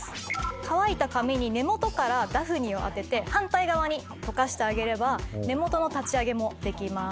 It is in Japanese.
乾いた髪に根元からダフニを当てて反対側にとかしてあげれば根元の立ち上げもできます。